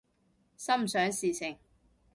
心想事成